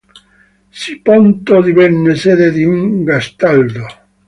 Siponto divenne sede di un Gastaldo.